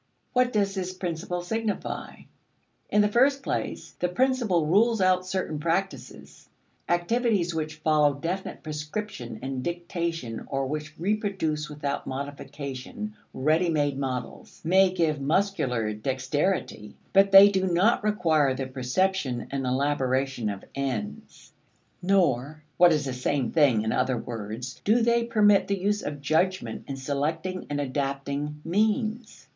What does this principle signify? In the first place, the principle rules out certain practices. Activities which follow definite prescription and dictation or which reproduce without modification ready made models, may give muscular dexterity, but they do not require the perception and elaboration of ends, nor (what is the same thing in other words) do they permit the use of judgment in selecting and adapting means.